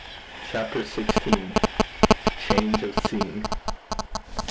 CHAPTER XVI. CHANGE OF SCENE.